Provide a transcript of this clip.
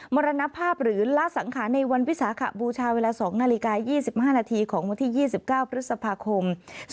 มรณภาพหรือละสังขารในวันวิสาขบูชาเวลา๒นาฬิกา๒๕นาทีของวันที่๒๙พฤษภาคม๒๕๖